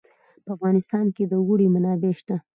په افغانستان کې د اوړي منابع شته.